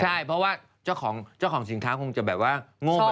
ใช่เพราะว่าเจ้าของสินค้าคงจะโง่ไปลงเลย